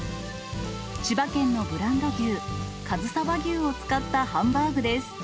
千葉県のブランド牛、かずさ和牛を使ったハンバーグです。